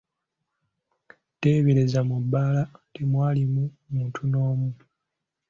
Teebereza, mu bbaala temwalimu muntu n'omu!